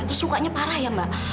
terus lukanya parah ya mbak